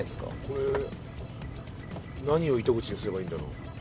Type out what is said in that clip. これ何を糸口にすればいいんだろう